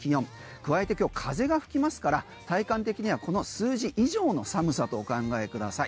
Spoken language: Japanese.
加えて今日風が吹きますから体感的にはこの数字以上の寒さとお考えください。